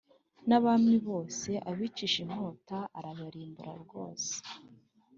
N abami bose abicisha inkota arabarimbura rwose